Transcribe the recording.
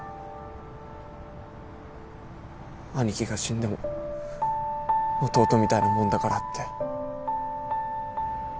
兄貴が死んでも弟みたいなもんだからって。